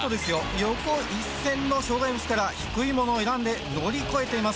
横一線の障害物から低いものを選んで乗り越えています